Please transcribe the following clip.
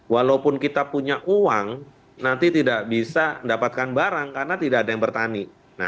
walaupun kita punya uang nanti tidak bisa mendapatkan barang karena tidak ada yang bertani